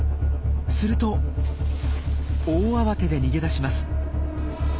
すると大慌てで逃げ出します。